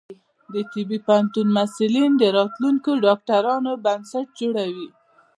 د طبی پوهنتون محصلین د راتلونکي ډاکټرانو بنسټ جوړوي.